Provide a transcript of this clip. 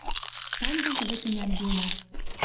Тангыж вӹкӹ нӓнгенӓт...